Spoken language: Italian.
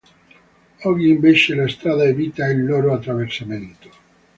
Oggi invece la strada evita il loro attraversamento.